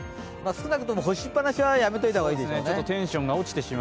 少なくとも干しっぱなしはやめておいた方がいいですね。